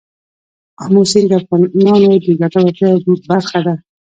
آمو سیند د افغانانو د ګټورتیا یوه برخه ده.